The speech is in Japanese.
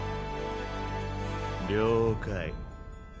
了解。